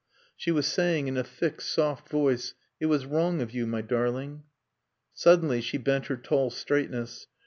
She was saying in a thick, soft voice, "It was wrong of you, my darling." Suddenly she bent her tall straightness.